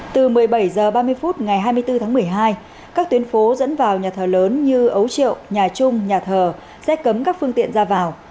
từ một mươi bảy h ba mươi phút ngày hai mươi bốn tháng một mươi hai các tuyến phố dẫn vào nhà thờ lớn như ấu triệu nhà trung nhà thờ sẽ cấm các phương tiện ra vào